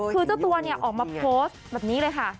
คือเจ้าตัวเนี่ยออกมาโพสต์แบบนี้เลยค่ะ